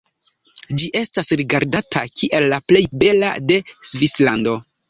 Ĝi estas rigardata kiel la plej bela de Svislando.